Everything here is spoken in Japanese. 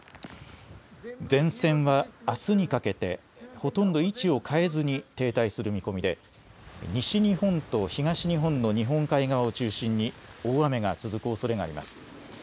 前線はあすにかけてほとんど位置を変えずに停滞する見込みで西日本と東日本の日本海側を中心に大雨が続くおそれがあります。